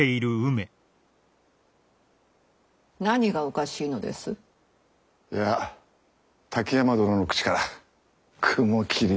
・何がおかしいのです？いや滝山殿の口から雲霧などと。